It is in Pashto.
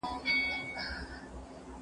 د ډیموکراسۍ لسیزه زموږ د هېواد ښه دوره وه.